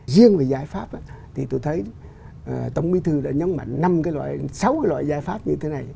riêng về giải pháp thì tôi thấy tổng quốc tư đã nhấn mạnh năm cái loại sáu cái loại giải pháp như thế này